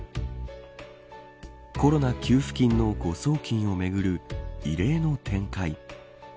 コロナ給付金の誤送金をめぐる異例の展開。